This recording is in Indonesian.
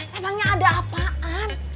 memangnya ada apaan